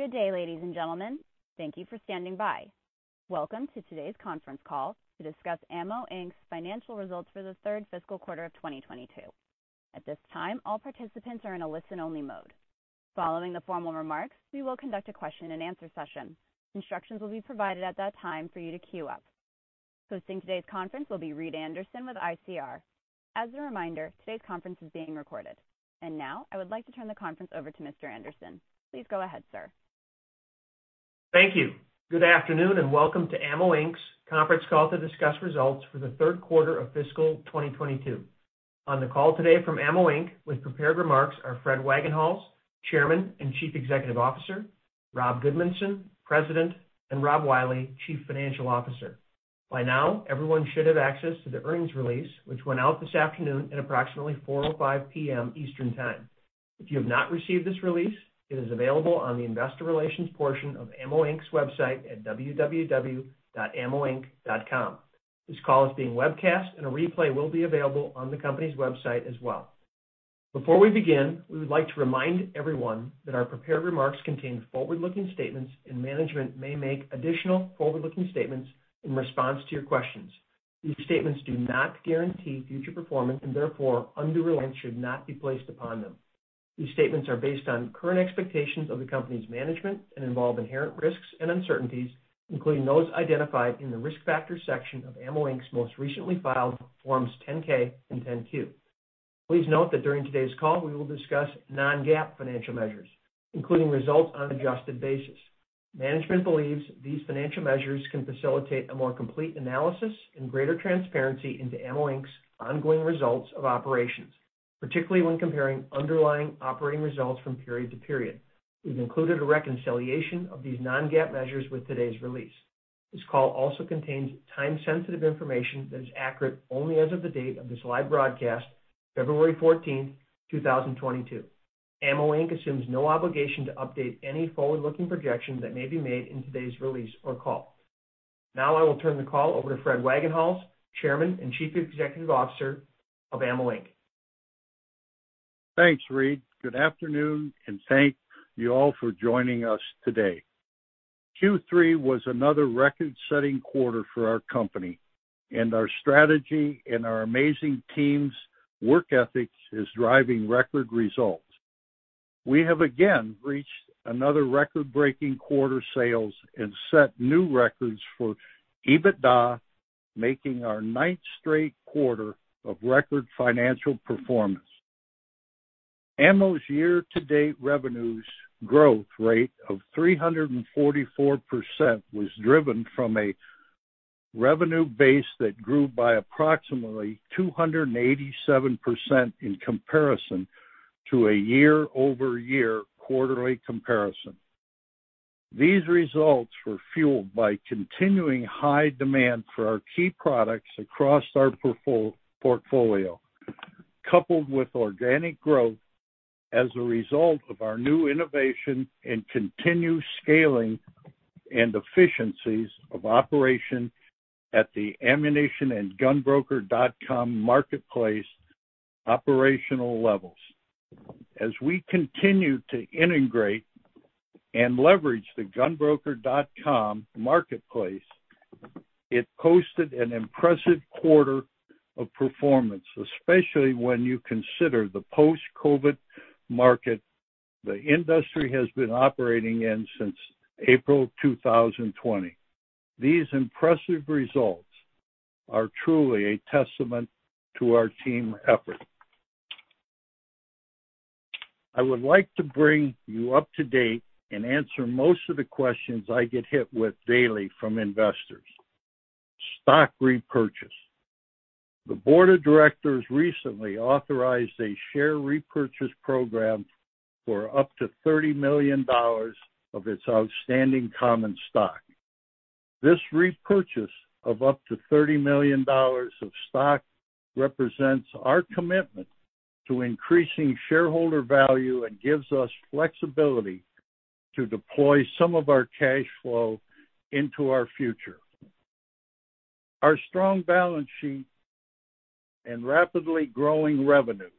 Good day, ladies and gentlemen. Thank you for standing by. Welcome to today's conference call to discuss AMMO, Inc's financial results for the third fiscal quarter of 2022. At this time, all participants are in a listen-only mode. Following the formal remarks, we will conduct a question-and-answer session. Instructions will be provided at that time for you to queue up. Hosting today's conference will be Reed Anderson with ICR. As a reminder, today's conference is being recorded. Now, I would like to turn the conference over to Mr. Anderson. Please go ahead, sir. Thank you. Good afternoon, and welcome to AMMO, Inc's conference call to discuss results for the third quarter of fiscal 2022. On the call today from AMMO, Inc with prepared remarks are Fred Wagenhals, Chairman and Chief Executive Officer, Jared Smith, President, and Rob Wiley, Chief Financial Officer. By now, everyone should have access to the earnings release, which went out this afternoon at approximately 4:05 P.M. Eastern Time. If you have not received this release, it is available on the investor relations portion of AMMO, Inc's website at www.ammoinc.com. This call is being webcast and a replay will be available on the company's website as well. Before we begin, we would like to remind everyone that our prepared remarks contain forward-looking statements and management may make additional forward-looking statements in response to your questions. These statements do not guarantee future performance and therefore undue reliance should not be placed upon them. These statements are based on current expectations of the company's management and involve inherent risks and uncertainties, including those identified in the Risk Factors section of AMMO, Inc's most recently filed Forms 10-K and 10-Q. Please note that during today's call, we will discuss non-GAAP financial measures, including results on an adjusted basis. Management believes these financial measures can facilitate a more complete analysis and greater transparency into AMMO, Inc's ongoing results of operations, particularly when comparing underlying operating results from period to period. We've included a reconciliation of these non-GAAP measures with today's release. This call also contains time-sensitive information that is accurate only as of the date of this live broadcast, February 14th, 2022. AMMO, Inc. Assumes no obligation to update any forward-looking projections that may be made in today's release or call. Now I will turn the call over to Fred Wagenhals, Chairman and Chief Executive Officer of AMMO, Inc. Thanks, Reed. Good afternoon, and thank you all for joining us today. Q3 was another record-setting quarter for our company, and our strategy and our amazing team's work ethics is driving record results. We have again reached another record-breaking quarter sales and set new records for EBITDA, making our ninth straight quarter of record financial performance. AMMO's year-to-date revenues growth rate of 344% was driven from a revenue base that grew by approximately 287% in comparison to a year-over-year quarterly comparison. These results were fueled by continuing high demand for our key products across our portfolio, coupled with organic growth as a result of our new innovation and continued scaling and efficiencies of operation at the ammunition and GunBroker.com marketplace operational levels. As we continue to integrate and leverage the GunBroker.com marketplace, it posted an impressive quarter of performance, especially when you consider the post-COVID market the industry has been operating in since April 2020. These impressive results are truly a testament to our team effort. I would like to bring you up to date and answer most of the questions I get hit with daily from investors. Stock repurchase. The board of directors recently authorized a share repurchase program for up to $30 million of its outstanding common stock. This repurchase of up to $30 million of stock represents our commitment to increasing shareholder value and gives us flexibility to deploy some of our cash flow into our future. Our strong balance sheet and rapidly growing revenues,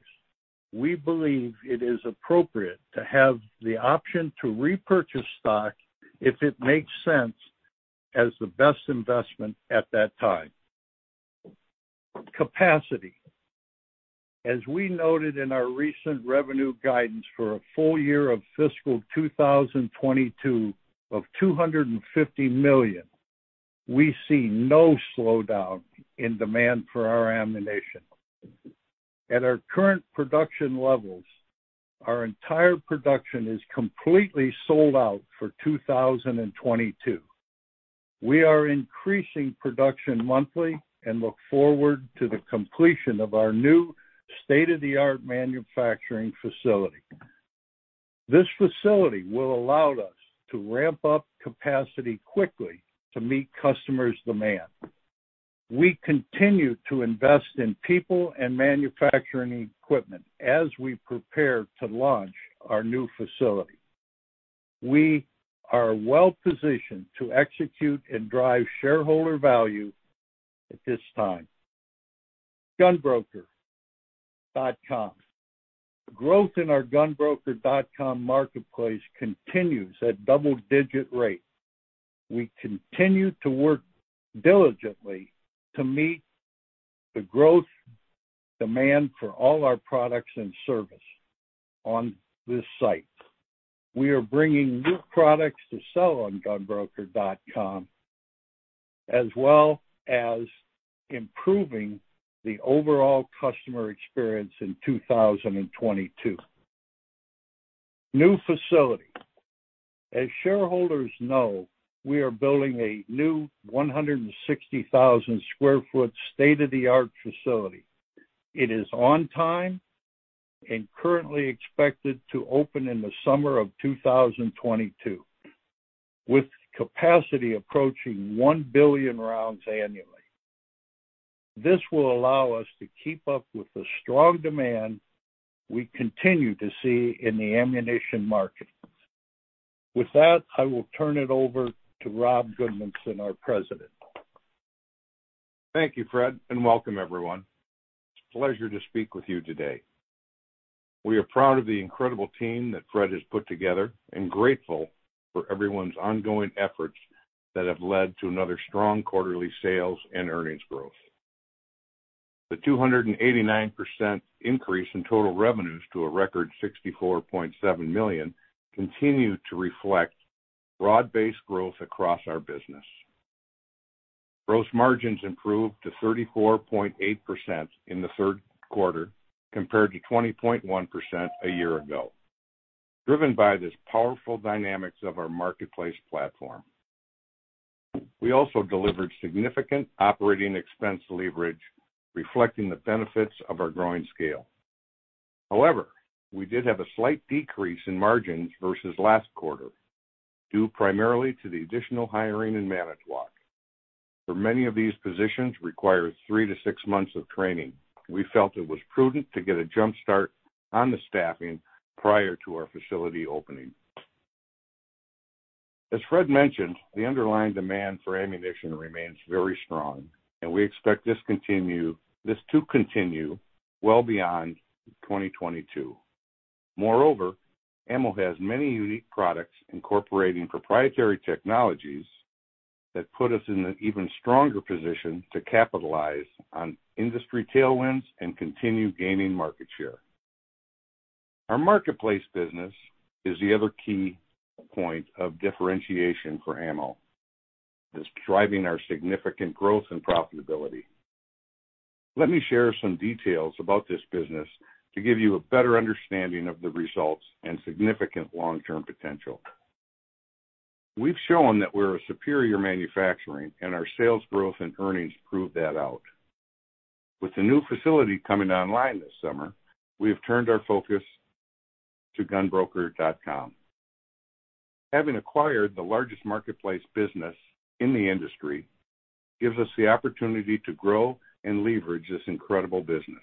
we believe it is appropriate to have the option to repurchase stock if it makes sense as the best investment at that time. Capacity. As we noted in our recent revenue guidance for a full year of fiscal 2022 of $250 million, we see no slowdown in demand for our ammunition. At our current production levels, our entire production is completely sold out for 2022. We are increasing production monthly and look forward to the completion of our new state-of-the-art manufacturing facility. This facility will allow us to ramp up capacity quickly to meet customers' demand. We continue to invest in people and manufacturing equipment as we prepare to launch our new facility. We are well-positioned to execute and drive shareholder value at this time. GunBroker.com. Growth in our GunBroker.com marketplace continues at double-digit rate. We continue to work diligently to meet the growth demand for all our products and service on this site. We are bringing new products to sell on GunBroker.com, as well as improving the overall customer experience in 2022. New facility. As shareholders know, we are building a new 160,000 sq ft state-of-the-art facility. It is on time and currently expected to open in the summer of 2022 with capacity approaching 1 billion rounds annually. This will allow us to keep up with the strong demand we continue to see in the ammunition market. With that, I will turn it over to Jared Smith, our President. Thank you, Fred, and welcome everyone. It's a pleasure to speak with you today. We are proud of the incredible team that Fred has put together and grateful for everyone's ongoing efforts that have led to another strong quarterly sales and earnings growth. The 289% increase in total revenues to a record $64.7 million continue to reflect broad-based growth across our business. Gross margins improved to 34.8% in the third quarter compared to 20.1% a year ago, driven by these powerful dynamics of our marketplace platform. We also delivered significant operating expense leverage, reflecting the benefits of our growing scale. However, we did have a slight decrease in margins versus last quarter, due primarily to the additional hiring in Manitowoc, as many of these positions require three to six months of training. We felt it was prudent to get a jump-start on the staffing prior to our facility opening. As Fred mentioned, the underlying demand for ammunition remains very strong, and we expect this to continue well beyond 2022. Moreover, AMMO has many unique products incorporating proprietary technologies that put us in an even stronger position to capitalize on industry tailwinds and continue gaining market share. Our marketplace business is the other key point of differentiation for AMMO. It's driving our significant growth and profitability. Let me share some details about this business to give you a better understanding of the results and significant long-term potential. We've shown that we're a superior manufacturing, and our sales growth and earnings prove that out. With the new facility coming online this summer, we have turned our focus to GunBroker.com. Having acquired the largest marketplace business in the industry gives us the opportunity to grow and leverage this incredible business.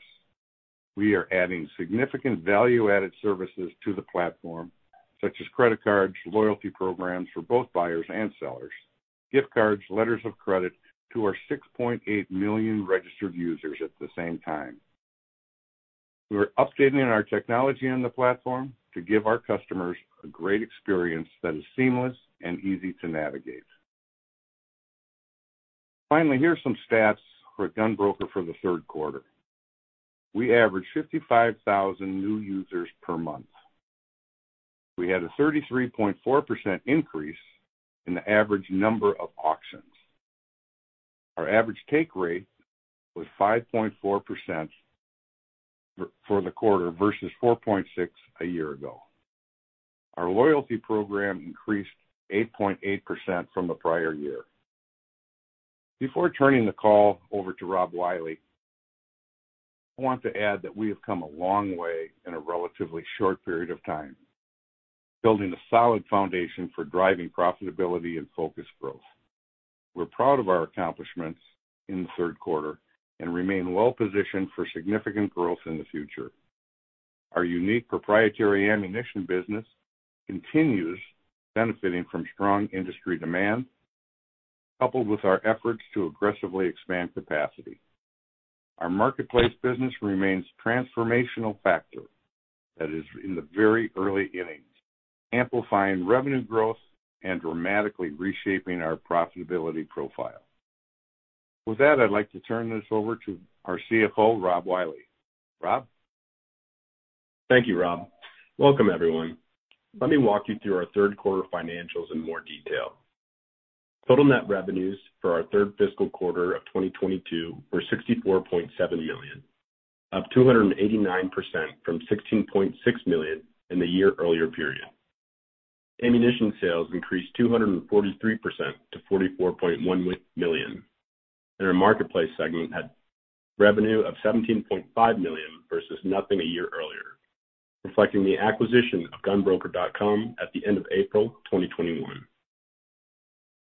We are adding significant value-added services to the platform, such as credit cards, loyalty programs for both buyers and sellers, gift cards, letters of credit to our 6.8 million registered users at the same time. We're updating our technology on the platform to give our customers a great experience that is seamless and easy to navigate. Finally, here are some stats for GunBroker for the third quarter. We averaged 55,000 new users per month. We had a 33.4% increase in the average number of auctions. Our average take rate was 5.4% for the quarter versus 4.6% a year ago. Our loyalty program increased 8.8% from the prior year. Before turning the call over to Rob Wiley, I want to add that we have come a long way in a relatively short period of time, building a solid foundation for driving profitability and focused growth. We're proud of our accomplishments in the third quarter and remain well positioned for significant growth in the future. Our unique proprietary ammunition business continues benefiting from strong industry demand, coupled with our efforts to aggressively expand capacity. Our marketplace business remains a transformational factor that is in the very early innings, amplifying revenue growth and dramatically reshaping our profitability profile. With that, I'd like to turn this over to our CFO, Rob Wiley. Rob? Thank you, Jared. Welcome, everyone. Let me walk you through our third quarter financials in more detail. Total net revenues for our third fiscal quarter of 2022 were $64.7 million, up 289% from $16.6 million in the year earlier period. Ammunition sales increased 243% to $44.1 million. Our marketplace segment had revenue of $17.5 million versus nothing a year earlier, reflecting the acquisition of GunBroker.com at the end of April 2021.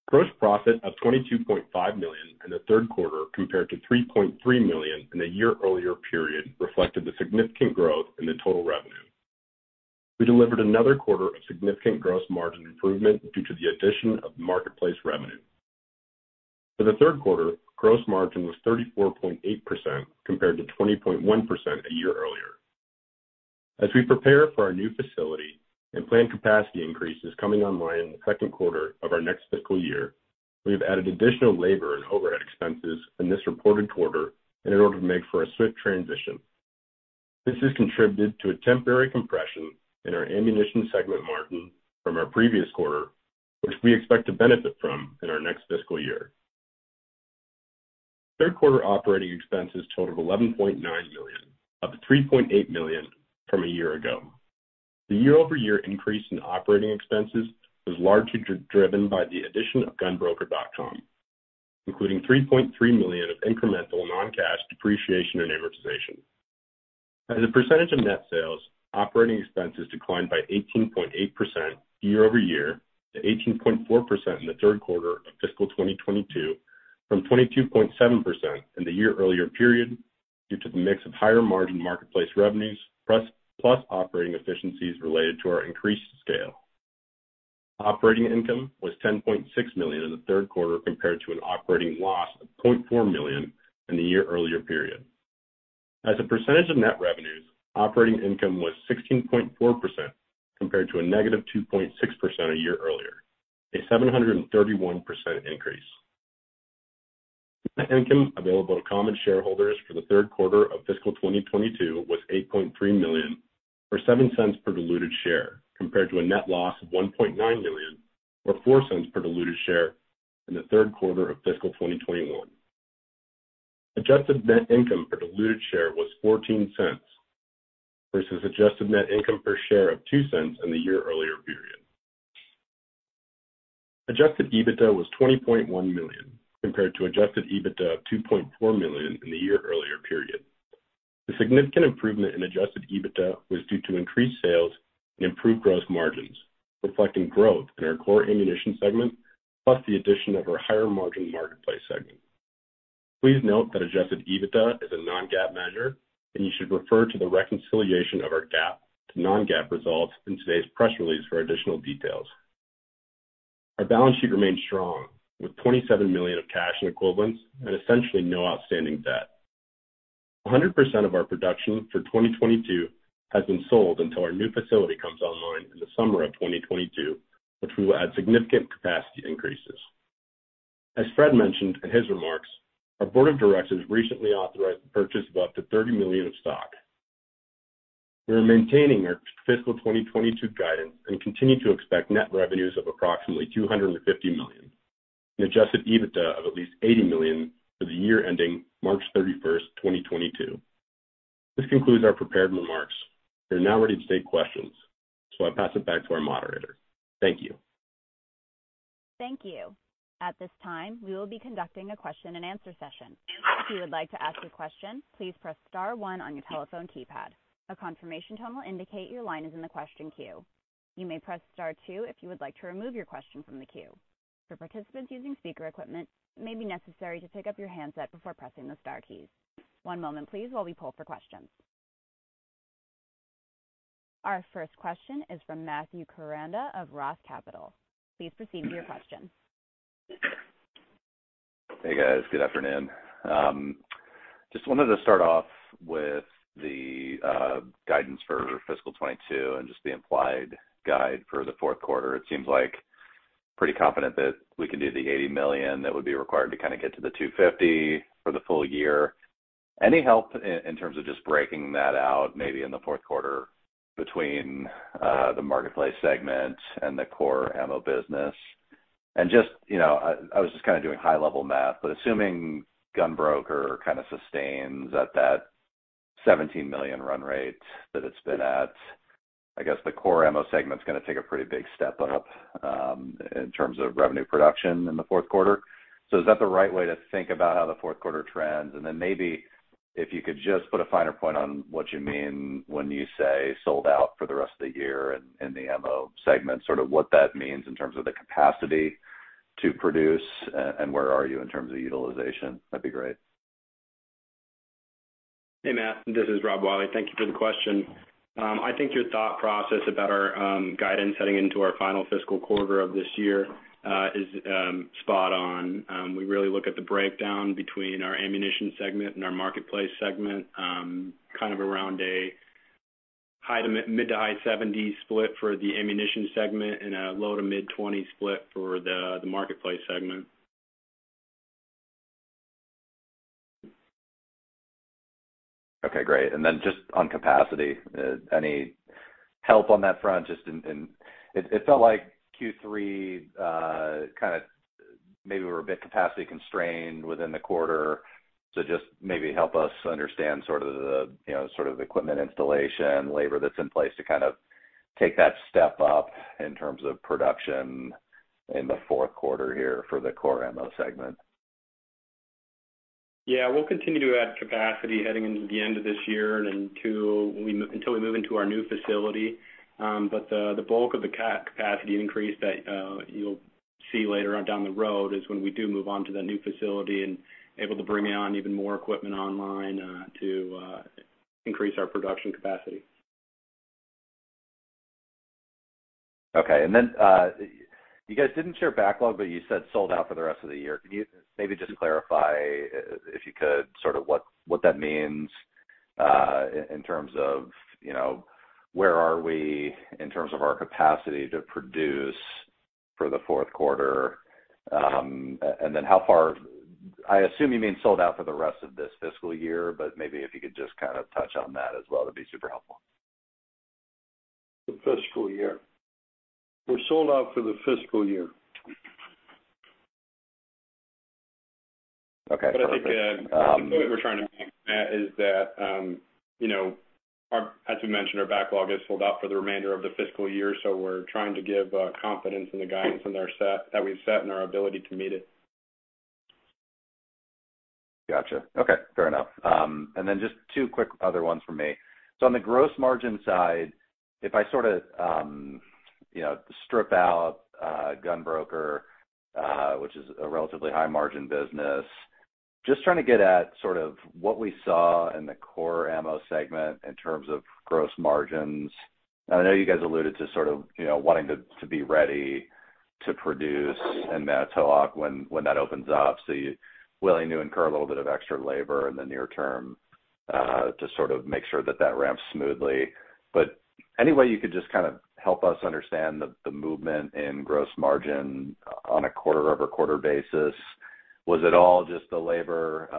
Gross profit of $22.5 million in the third quarter compared to $3.3 million in the year earlier period reflected the significant growth in the total revenue. We delivered another quarter of significant gross margin improvement due to the addition of marketplace revenue. For the third quarter, gross margin was 34.8% compared to 20.1% a year earlier. As we prepare for our new facility and planned capacity increases coming online in the second quarter of our next fiscal year, we have added additional labor and overhead expenses in this reported quarter in order to make for a swift transition. This has contributed to a temporary compression in our ammunition segment margin from our previous quarter, which we expect to benefit from in our next fiscal year. Third quarter operating expenses totaled $11.9 million, up $3.8 million from a year ago. The year-over-year increase in operating expenses was largely driven by the addition of GunBroker.com, including $3.3 million of incremental non-cash depreciation and amortization. As a percentage of net sales, operating expenses declined by 18.8% year-over-year to 18.4% in the third quarter of fiscal 2022 from 22.7% in the year earlier period due to the mix of higher margin marketplace revenues, plus operating efficiencies related to our increased scale. Operating income was $10.6 million in the third quarter compared to an operating loss of $0.4 million in the year earlier period. As a percentage of net revenues, operating income was 16.4% compared to a -2.6% a year earlier, a 731% increase. Net income available to common shareholders for the third quarter of fiscal 2022 was $8.3 million, or $0.07 per diluted share, compared to a net loss of $1.9 million, or $0.04 per diluted share in the third quarter of fiscal 2021. Adjusted net income per diluted share was $0.14 versus adjusted net income per share of $0.02 in the year earlier period. Adjusted EBITDA was $20.1 million compared to adjusted EBITDA of $2.4 million in the year earlier period. The significant improvement in adjusted EBITDA was due to increased sales and improved gross margins, reflecting growth in our core ammunition segment, plus the addition of our higher margin marketplace segment. Please note that adjusted EBITDA is a non-GAAP measure, and you should refer to the reconciliation of our GAAP to non-GAAP results in today's press release for additional details. Our balance sheet remains strong, with $27 million of cash equivalents and essentially no outstanding debt. 100% of our production for 2022 has been sold until our new facility comes online in the summer of 2022, which will add significant capacity increases. As Fred mentioned in his remarks, our board of directors recently authorized the purchase of up to $30 million of stock. We are maintaining our fiscal 2022 guidance and continue to expect net revenues of approximately $250 million and adjusted EBITDA of at least $80 million for the year ending March 31, 2022. This concludes our prepared remarks. We are now ready to take questions, so I pass it back to our moderator. Thank you. Thank you. At this time, we will be conducting a question and answer session. If you would like to ask a question, please press star one on your telephone keypad. A confirmation tone will indicate your line is in the question queue. You may press star two if you would like to remove your question from the queue. For participants using speaker equipment, it may be necessary to pick up your handset before pressing the star keys. One moment please while we pull for questions. Our first question is from Matthew Koranda of Roth Capital Partners. Please proceed with your question. Hey, guys. Good afternoon. Just wanted to start off with the guidance for fiscal 2022 and just the implied guide for the fourth quarter. It seems like pretty confident that we can do the $80 million that would be required to kind of get to the $250 million for the full year. Any help in terms of just breaking that out, maybe in the fourth quarter between the marketplace segment and the core ammo business? And just, you know, I was just kind of doing high-level math, but assuming GunBroker kind of sustains at that $17 million run rate that it's been at, I guess the core ammo segment's gonna take a pretty big step up in terms of revenue production in the fourth quarter. Is that the right way to think about how the fourth quarter trends? Then maybe if you could just put a finer point on what you mean when you say sold out for the rest of the year in the ammo segment, sort of what that means in terms of the capacity to produce and where are you in terms of utilization? That'd be great. Hey, Matt, this is Rob Wiley. Thank you for the question. I think your thought process about our guidance heading into our final fiscal quarter of this year is spot on. We really look at the breakdown between our Ammunition segment and our Marketplace segment kind of around a high-to-mid, mid-to-high 70% split for the Ammunition segment and a low-to-mid 20% split for the Marketplace segment. Okay, great. Just on capacity, any help on that front? It felt like Q3, kind of maybe we were a bit capacity constrained within the quarter. Just maybe help us understand sort of the, you know, sort of equipment installation, labor that's in place to kind of take that step up in terms of production in the fourth quarter here for the core ammo segment. Yeah. We'll continue to add capacity heading into the end of this year and into until we move into our new facility. The bulk of the capacity increase that you'll See later on down the road is when we do move on to the new facility and able to bring on even more equipment online, to increase our production capacity. Okay. You guys didn't share backlog, but you said sold out for the rest of the year. Could you maybe just clarify if you could, sort of what that means, in terms of, you know, where are we in terms of our capacity to produce for the fourth quarter? And then I assume you mean sold out for the rest of this fiscal year, but maybe if you could just kind of touch on that as well, that'd be super helpful. The fiscal year. We're sold out for the fiscal year. Okay, perfect. I think the point we're trying to make, Matt, is that, you know, as we mentioned, our backlog is sold out for the remainder of the fiscal year, so we're trying to give confidence in the guidance in our set that we've set and our ability to meet it. Gotcha. Okay, fair enough. Then just two quick other ones from me. On the gross margin side, if I sort of, you know, strip out GunBroker, which is a relatively high margin business, just trying to get at sort of what we saw in the core ammo segment in terms of gross margins. I know you guys alluded to sort of, you know, wanting to be ready to produce in Manitowoc when that opens up, so you're willing to incur a little bit of extra labor in the near term to sort of make sure that that ramps smoothly. Any way you could just kind of help us understand the movement in gross margin on a quarter-over-quarter basis, was it all just the labor,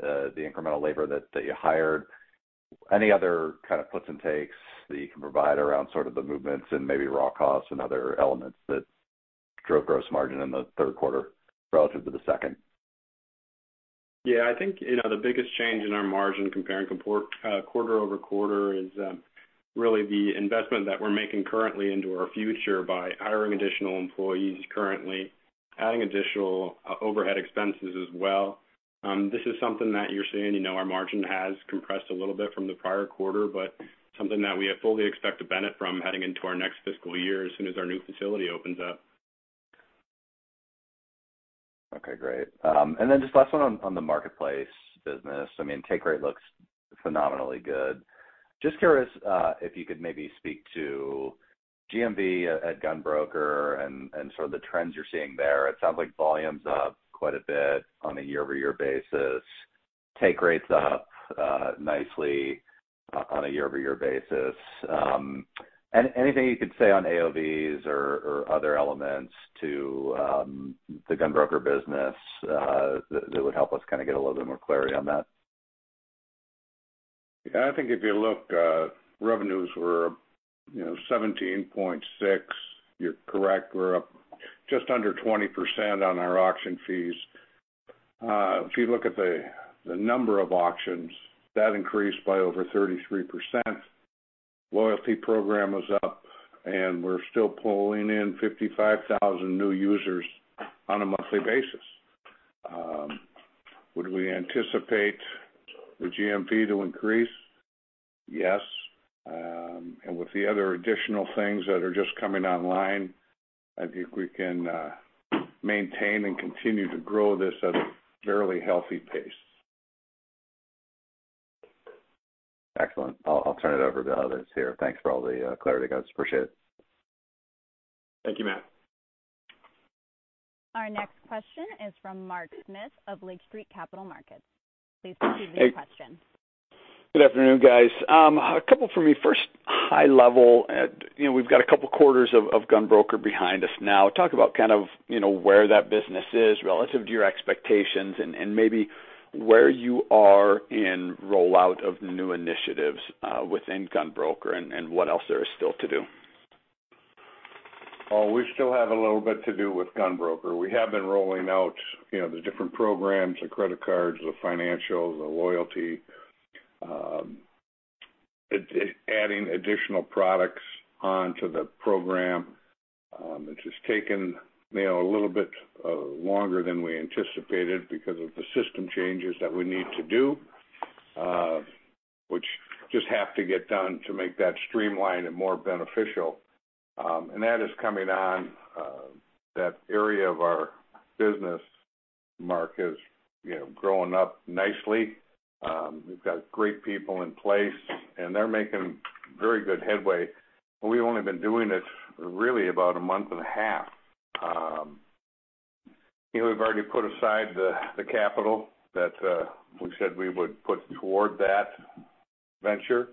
the incremental labor that you hired? Any other kind of puts and takes that you can provide around sort of the movements and maybe raw costs and other elements that drove gross margin in the third quarter relative to the second? Yeah. I think, you know, the biggest change in our margin comparing quarter-over-quarter is really the investment that we're making currently into our future by hiring additional employees currently, adding additional overhead expenses as well. This is something that you're seeing, you know, our margin has compressed a little bit from the prior quarter, but something that we fully expect to benefit from heading into our next fiscal year as soon as our new facility opens up. Okay, great. Just last one on the marketplace business. I mean, take rate looks phenomenally good. Just curious, if you could maybe speak to GMV at GunBroker and sort of the trends you're seeing there. It sounds like volume's up quite a bit on a year-over-year basis, take rates up nicely on a year-over-year basis. Anything you could say on AOVs or other elements to the GunBroker business, that would help us kind of get a little bit more clarity on that. Yeah. I think if you look, revenues were, you know, $17.6. You're correct, we're up just under 20% on our auction fees. If you look at the number of auctions, that increased by over 33%. Loyalty program was up, and we're still pulling in 55,000 new users on a monthly basis. Would we anticipate the GMV to increase? Yes. With the other additional things that are just coming online, I think we can maintain and continue to grow this at a fairly healthy pace. Excellent. I'll turn it over to others here. Thanks for all the clarity, guys. Appreciate it. Thank you, Matt. Our next question is from Mark Smith of Lake Street Capital Markets. Please proceed with your question. Good afternoon, guys. A couple from me. First, high level. You know, we've got a couple quarters of GunBroker behind us now. Talk about kind of, you know, where that business is relative to your expectations and maybe where you are in rollout of the new initiatives within GunBroker and what else there is still to do. Well, we still have a little bit to do with GunBroker. We have been rolling out, you know, the different programs, the credit cards, the financials, the loyalty. It's adding additional products onto the program, which has taken, you know, a little bit longer than we anticipated because of the system changes that we need to do, which just have to get done to make that streamlined and more beneficial. And that is coming on, that area of our business, Mark, is, you know, growing up nicely. We've got great people in place, and they're making very good headway. We've only been doing this really about a month and a half. You know, we've already put aside the capital that we said we would put toward that venture.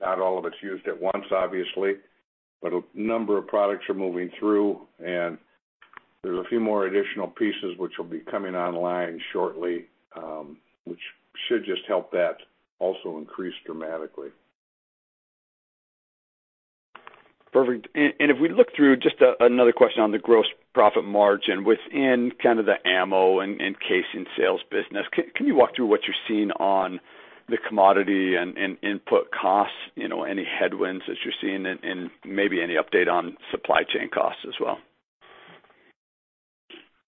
Not all of it's used at once, obviously, but a number of products are moving through, and there's a few more additional pieces which will be coming online shortly, which should just help that also increase dramatically. Perfect. If we look through just another question on the gross profit margin within kind of the ammo and casing sales business, can you walk through what you're seeing on the commodity and input costs? You know, any headwinds that you're seeing and maybe any update on supply chain costs as well?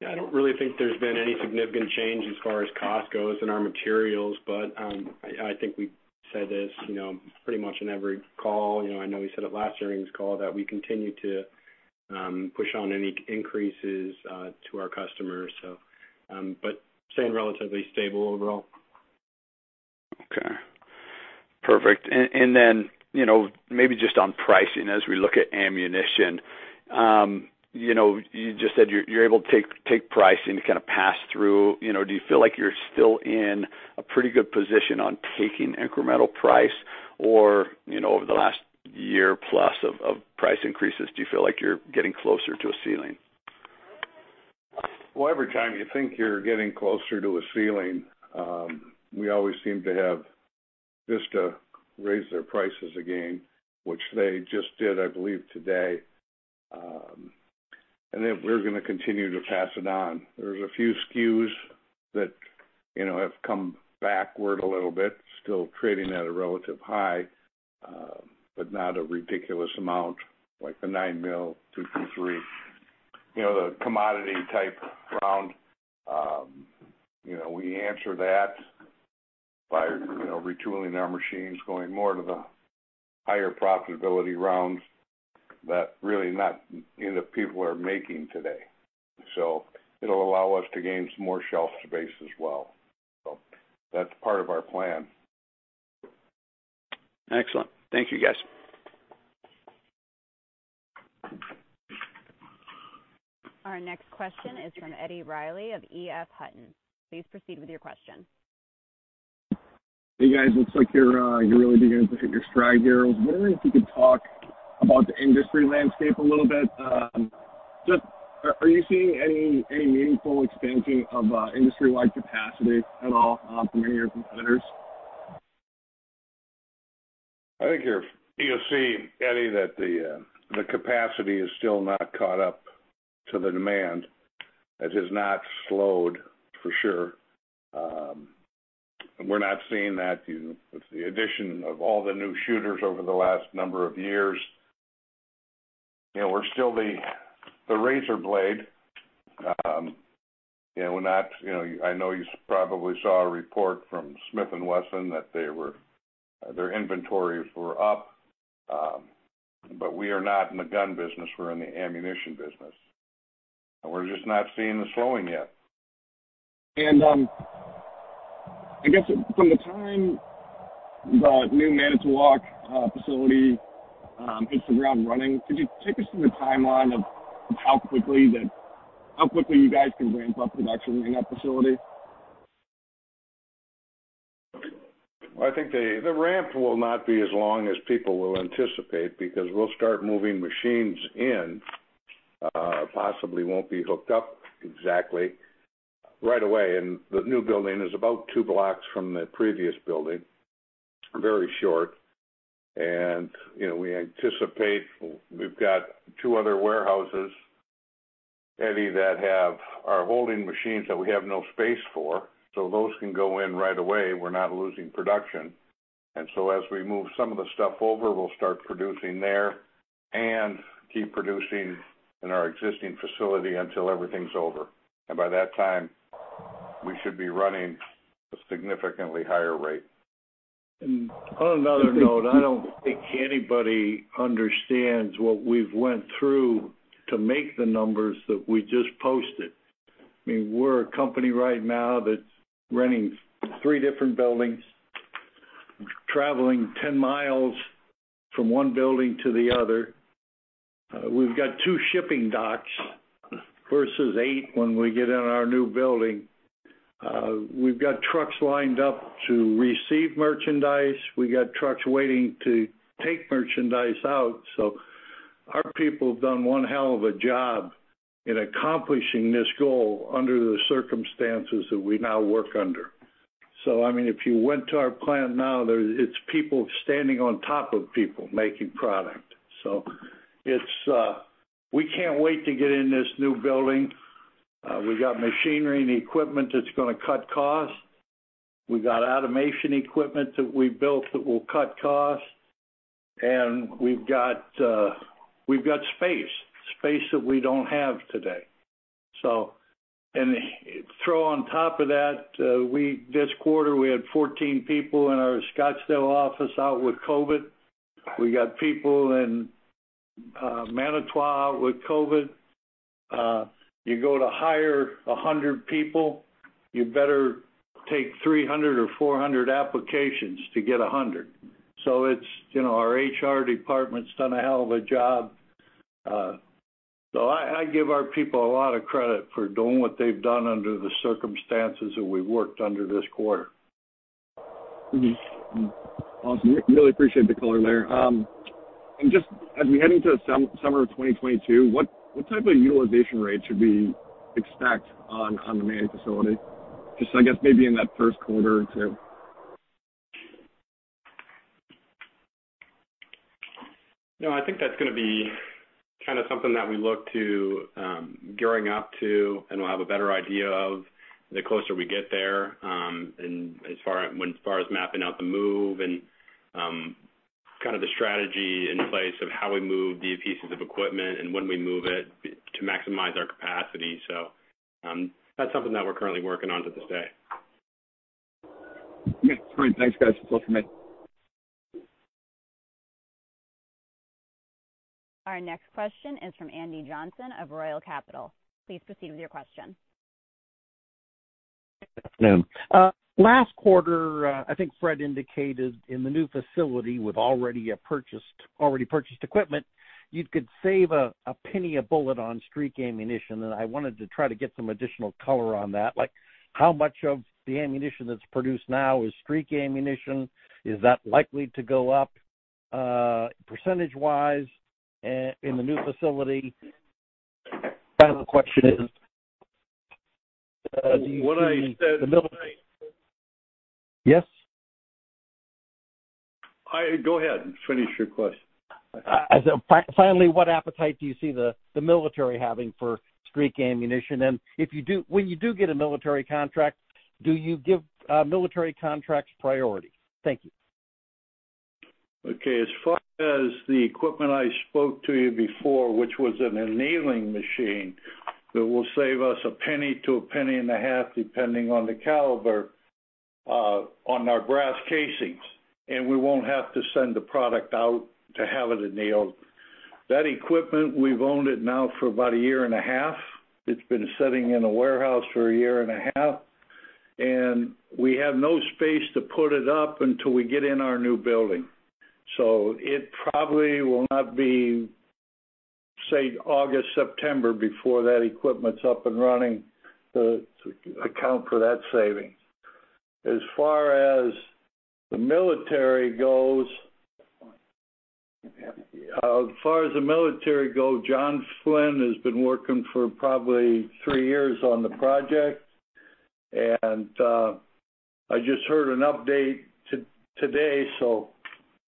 Yeah, I don't really think there's been any significant change as far as cost goes in our materials, but I think we said this, you know, pretty much in every call. You know, I know we said it last earnings call that we continue to push on any increases to our customers, but staying relatively stable overall. Okay. Perfect. You know, maybe just on pricing as we look at ammunition. You know, you just said you're able to take pricing to kind of pass through. You know, do you feel like you're still in a pretty good position on taking incremental price or, you know, over the last year-plus of price increases, do you feel like you're getting closer to a ceiling? Well, every time you think you're getting closer to a ceiling, we always seem to have Vista raise their prices again, which they just did, I believe, today. Then we're gonna continue to pass it on. There's a few SKUs that, you know, have come backward a little bit, still trading at a relative high, but not a ridiculous amount like the 9mm .223. You know, the commodity type round, we answer that by, you know, retooling our machines, going more to the higher profitability rounds that you know, people are making today. It'll allow us to gain some more shelf space as well. That's part of our plan. Excellent. Thank you, guys. Our next question is from Edward Reilly of EF Hutton. Please proceed with your question. Hey, guys. Looks like you're really beginning to hit your stride here. I was wondering if you could talk about the industry landscape a little bit. Just, are you seeing any meaningful expansion of industry-wide capacity at all from any of your competitors? I think you'll see, Eddie, that the capacity is still not caught up to the demand. It has not slowed, for sure. We're not seeing that with the addition of all the new shooters over the last number of years. You know, we're still the razor blade. You know, I know you probably saw a report from Smith & Wesson that their inventories were up. We are not in the gun business. We're in the ammunition business. We're just not seeing the slowing yet. I guess from the time the new Manitowoc facility hits the ground running, could you take us through the timeline of how quickly you guys can ramp up production in that facility? I think the ramp will not be as long as people will anticipate because we'll start moving machines in, possibly won't be hooked up exactly right away. The new building is about two blocks from the previous building, very short. You know, we anticipate we've got two other warehouses, Eddie, that are holding machines that we have no space for. Those can go in right away, we're not losing production. As we move some of the stuff over, we'll start producing there and keep producing in our existing facility until everything's over. By that time, we should be running a significantly higher rate. On another note, I don't think anybody understands what we've went through to make the numbers that we just posted. I mean, we're a company right now that's running three different buildings, traveling 10 mi from one building to the other. We've got two shipping docks versus eight when we get in our new building. We've got trucks lined up to receive merchandise. We got trucks waiting to take merchandise out. Our people have done one hell of a job in accomplishing this goal under the circumstances that we now work under. I mean, if you went to our plant now, it's people standing on top of people making product. It's, we can't wait to get in this new building. We got machinery and equipment that's gonna cut costs. We got automation equipment that we built that will cut costs, and we've got space that we don't have today. Throw on top of that, this quarter, we had 14 people in our Scottsdale office out with COVID. We got people in Manitowoc with COVID. You go to hire 100 people, you better take 300 or 400 applications to get 100. It's, you know, our HR department's done a hell of a job. I give our people a lot of credit for doing what they've done under the circumstances that we worked under this quarter. Mm-hmm. Awesome. Really appreciate the color there. Just as we head into summer of 2022, what type of utilization rate should we expect on the main facility? Just so I guess maybe in that first quarter or two. No, I think that's gonna be kinda something that we look to, gearing up to, and we'll have a better idea the closer we get there, and as far as mapping out the move and, kind of the strategy in place of how we move the pieces of equipment and when we move it to maximize our capacity. That's something that we're currently working on to this day. Yeah. All right. Thanks, guys. That's all for me. Our next question is from Andrew Johnson of Royal Capital. Please proceed with your question. Good afternoon. Last quarter, I think Fred indicated in the new facility with already purchased equipment, you could save a penny a bullet on STREAK ammunition, and I wanted to try to get some additional color on that. Like, how much of the ammunition that's produced now is STREAK ammunition? Is that likely to go up percentage-wise in the new facility? Final question is, What I said- Yes. Go ahead. Finish your question. Finally, what appetite do you see the military having for STREAK ammunition? When you do get a military contract, do you give military contracts priority? Thank you. Okay. As far as the equipment I spoke to you before, which was an annealing machine, that will save us a penny to a penny and a half, depending on the caliber, on our brass casings, and we won't have to send the product out to have it annealed. That equipment, we've owned it now for about a year and a half. It's been sitting in a warehouse for a year and a half, and we have no space to put it up until we get in our new building. It probably will not be, say, August, September before that equipment's up and running to account for that saving. As far as the military goes... As far as the military go, John Flynn has been working for probably three years on the project, and I just heard an update today, so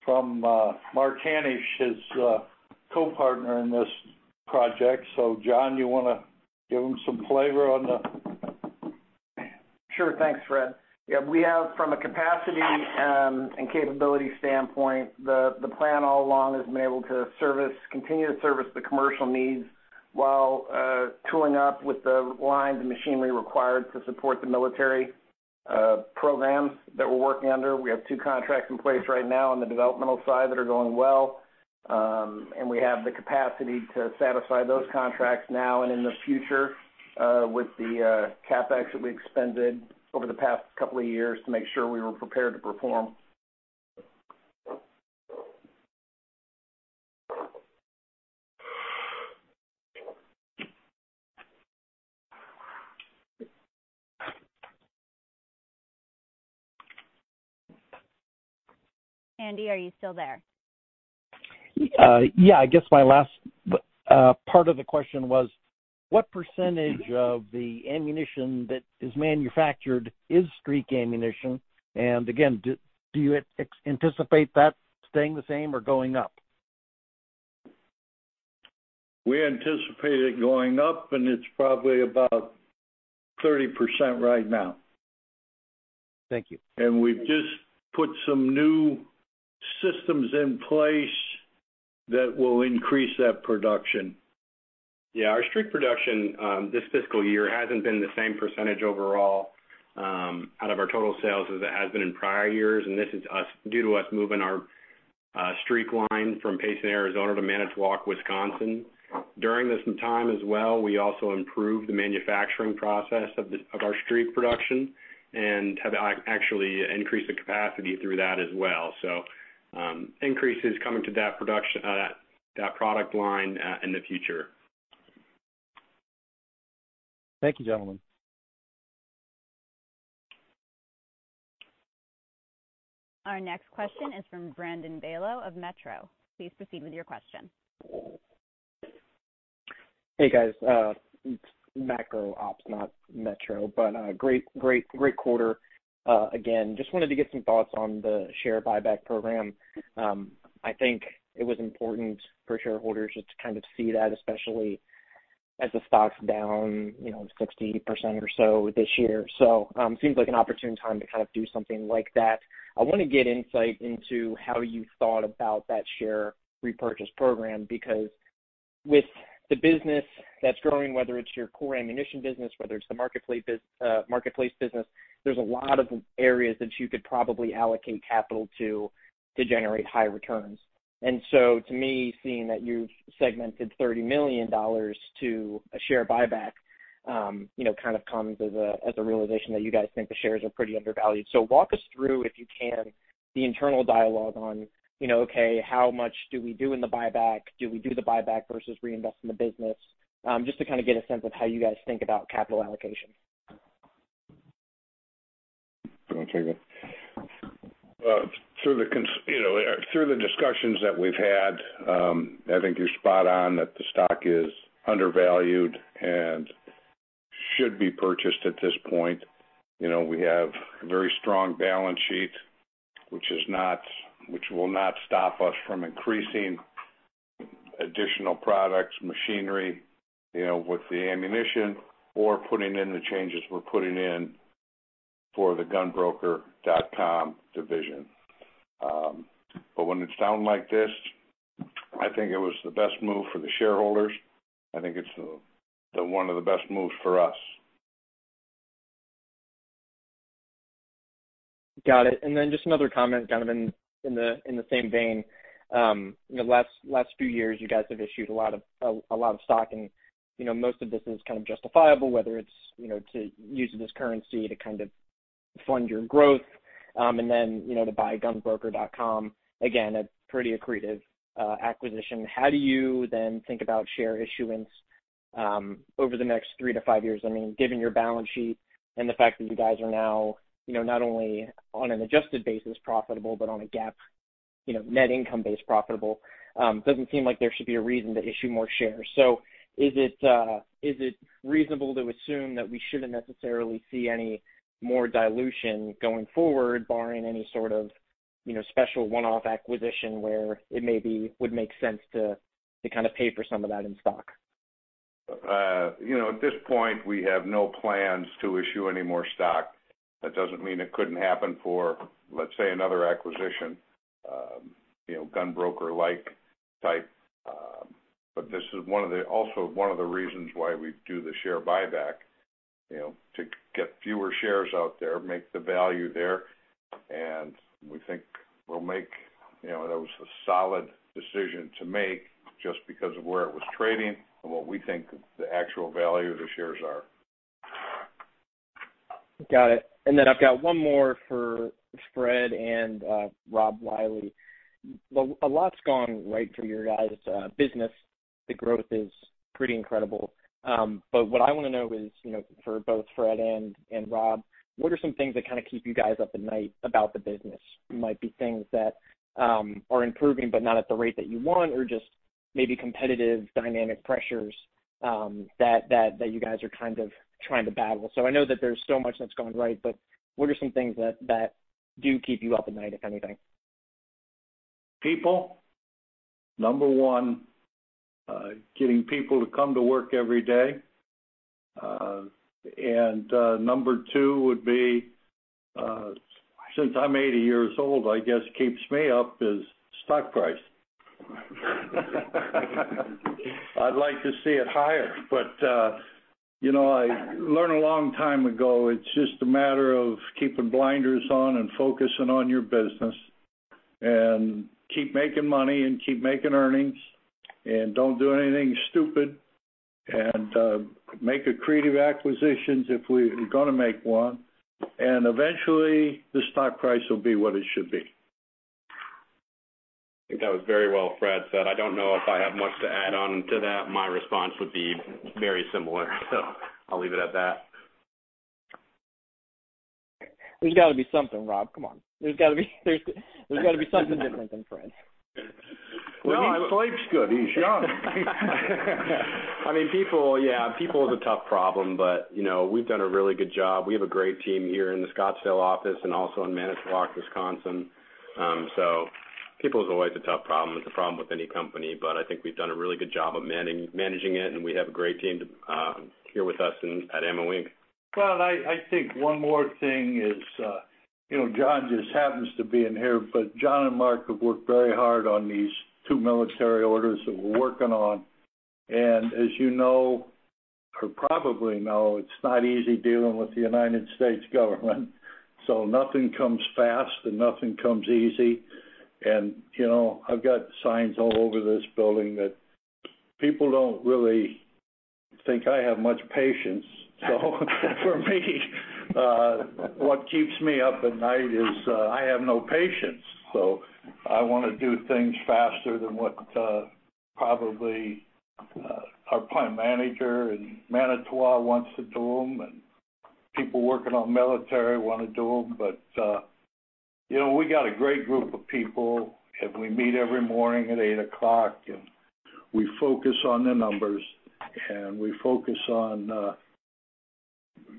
from Mark Hanish, his co-partner in this project. John, you wanna give him some flavor on the Sure. Thanks, Fred. Yeah, we have from a capacity and capability standpoint, the plan all along has been able to continue to service the commercial needs while tooling up with the lines and machinery required to support the military programs that we're working under. We have two contracts in place right now on the developmental side that are going well, and we have the capacity to satisfy those contracts now and in the future with the CapEx that we expended over the past couple of years to make sure we were prepared to perform. Andy, are you still there? Yeah. I guess my last part of the question was, what percentage of the ammunition that is manufactured is STREAK ammunition? Again, do you anticipate that staying the same or going up? We anticipate it going up, and it's probably about 30% right now. Thank you. We've just put some new systems in place that will increase that production. Our STREAK production this fiscal year hasn't been the same percentage overall out of our total sales as it has been in prior years, and this is due to us moving our STREAK line from Payson, Arizona to Manitowoc, Wisconsin. During this time as well, we also improved the manufacturing process of our STREAK production and have actually increased the capacity through that as well. Increases coming to that production, that product line in the future. Thank you, gentlemen. Our next question is from Brandon Beylo of Macro Ops. Please proceed with your question. Hey, guys. It's Macro Ops, not Metro, but great quarter. Again, just wanted to get some thoughts on the share buyback program. I think it was important for shareholders just to kind of see that, especially as the stock's down, you know, 60% or so this year. Seems like an opportune time to kind of do something like that. I wanna get insight into how you thought about that share repurchase program, because with the business that's growing, whether it's your core ammunition business, whether it's the marketplace business, there's a lot of areas that you could probably allocate capital to generate high returns. To me, seeing that you've segmented $30 million to a share buyback, you know, kind of comes as a realization that you guys think the shares are pretty undervalued. Walk us through, if you can, the internal dialogue on, you know, okay, how much do we do in the buyback? Do we do the buyback versus reinvest in the business? Just to kind of get a sense of how you guys think about capital allocation. You wanna take it? Through the discussions that we've had, I think you're spot on that the stock is undervalued and should be purchased at this point. You know, we have a very strong balance sheet, which will not stop us from increasing additional products, machinery, you know, with the ammunition or putting in the changes we're putting in for the GunBroker.com division. But when it's down like this, I think it was the best move for the shareholders. I think it's the one of the best moves for us. Got it. Just another comment kind of in the same vein. You know, last few years, you guys have issued a lot of stock. You know, most of this is kind of justifiable, whether it's you know to use this currency to kind of fund your growth, and then you know to buy GunBroker.com, again, a pretty accretive acquisition. How do you then think about share issuance over the next three to five years? I mean, given your balance sheet and the fact that you guys are now you know not only on an adjusted basis profitable, but on a GAAP you know net income base profitable, it doesn't seem like there should be a reason to issue more shares. Is it reasonable to assume that we shouldn't necessarily see any more dilution going forward barring any sort of, you know, special one-off acquisition where it maybe would make sense to kind of pay for some of that in stock? You know, at this point, we have no plans to issue any more stock. That doesn't mean it couldn't happen for, let's say, another acquisition, you know, GunBroker-like type. This is one of the reasons why we do the share buyback, you know, to get fewer shares out there, make the value there. You know, that was a solid decision to make just because of where it was trading and what we think the actual value of the shares are. Got it. Then I've got one more for Fred and Rob Wiley. A lot's gone right for your guys's business. The growth is pretty incredible. But what I wanna know is, you know, for both Fred and Rob, what are some things that kinda keep you guys up at night about the business? It might be things that are improving, but not at the rate that you want or just maybe competitive dynamic pressures that you guys are kind of trying to battle. I know that there's so much that's gone right, but what are some things that do keep you up at night, if anything? People, number one, getting people to come to work every day. Number two would be, since I'm 80 years old, I guess keeps me up is stock price. I'd like to see it higher, but, you know, I learned a long time ago, it's just a matter of keeping blinders on and focusing on your business and keep making money and keep making earnings and don't do anything stupid and make accretive acquisitions if we're gonna make one. Eventually, the stock price will be what it should be. I think that was very well said, Fred. I don't know if I have much to add on to that. My response would be very similar, so I'll leave it at that. There's gotta be something, Rob. Come on. There's gotta be something different than Fred. No, his life's good. He's young. I mean, people, yeah, people is a tough problem, but, you know, we've done a really good job. We have a great team here in the Scottsdale office and also in Manitowoc, Wisconsin. People is always a tough problem. It's a problem with any company, but I think we've done a really good job of managing it, and we have a great team here with us at AMMO, Inc. Well, I think one more thing is, you know, John just happens to be in here, but John and Mark have worked very hard on these two military orders that we're working on. As you know, or probably know, it's not easy dealing with the U.S. government. Nothing comes fast and nothing comes easy. You know, I've got signs all over this building that people don't really think I have much patience. For me, what keeps me up at night is, I have no patience. I wanna do things faster than what probably our plant manager in Manitowoc wants to do them, and people working on military wanna do them. You know, we got a great group of people, and we meet every morning at 8:00 A.M., and we focus on the numbers, and we focus on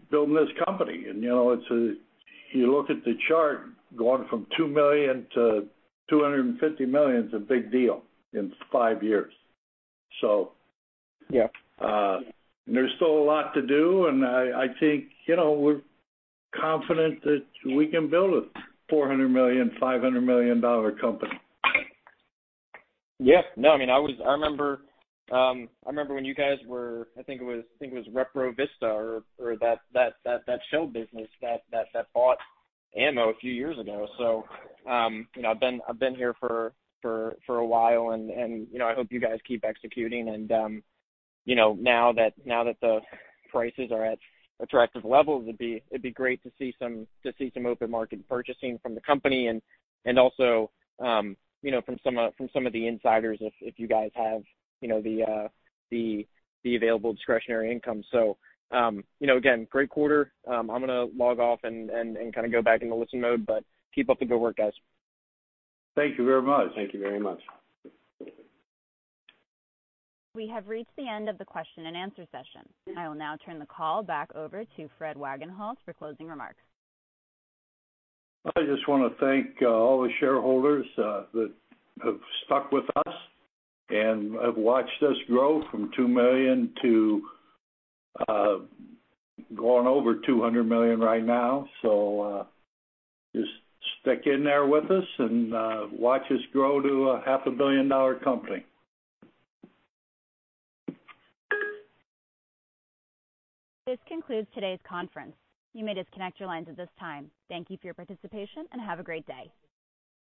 building this company. You know, it's. You look at the chart, going from $2 million to $250 million is a big deal in five years. Yeah. There's still a lot to do, and I think, you know, we're confident that we can build a $400 million-$500 million company. Yeah. No, I mean, I remember when you guys were, I think it was Retrospettiva, Inc. or that shell business that bought AMMO a few years ago. You know, I've been here for a while and you know, I hope you guys keep executing. You know, now that the prices are at attractive levels, it'd be great to see some open market purchasing from the company and also you know, from some of the insiders if you guys have you know, the available discretionary income. You know, again, great quarter. I'm gonna log off and kinda go back into listen mode, but keep up the good work, guys. Thank you very much. Thank you very much. We have reached the end of the question and answer session. I will now turn the call back over to Fred Wagenhals for closing remarks. I just wanna thank all the shareholders that have stuck with us and have watched us grow from $2 million to going over $200 million right now. Just stick in there with us and watch us grow to a half a billion-dollar company. This concludes today's conference. You may disconnect your lines at this time. Thank you for your participation, and have a great day.